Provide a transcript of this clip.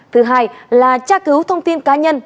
thứ hai là tra cứu thông tin cá nhân